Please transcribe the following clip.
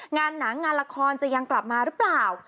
งานหนังงานละครจะยังกลับมาหรือเปล่า